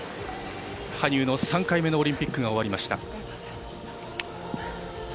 羽生の３回目のオリンピックが終わりました。